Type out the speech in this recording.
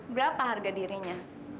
berapa harga dirinya